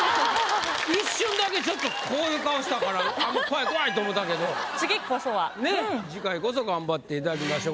一瞬だけちょっとこういう顔したからねっ次回こそ頑張っていただきましょう。